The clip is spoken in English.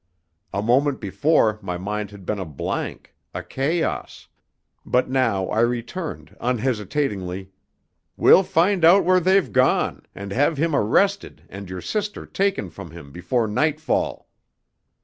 A moment before my mind had been a blank, a chaos; but now I returned, unhesitatingly "We'll find out where they've gone, and have him arrested and your sister taken from him before nightfall."